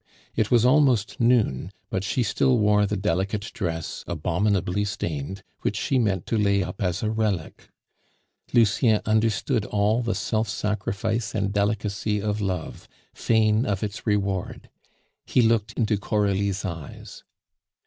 It was almost noon, but she still wore the delicate dress, abominably stained, which she meant to lay up as a relic. Lucien understood all the self sacrifice and delicacy of love, fain of its reward. He looked into Coralie's eyes.